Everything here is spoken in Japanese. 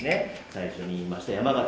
最初に言いました山形。